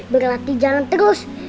berlatih jalan terus